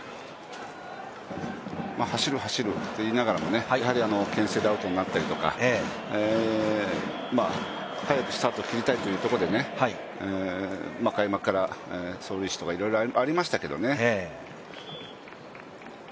走る走ると言いながらもけん制でアウトになったりとか早くスタートを切りたいというところで開幕からいろいろありましたからね。